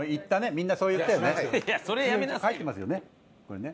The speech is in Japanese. みんなそう言ったよね？